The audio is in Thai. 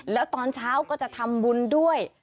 แล้วตอนเช้าก็จะทำบุญด้วย